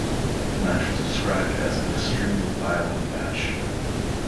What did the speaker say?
The match was described as an extremely violent match.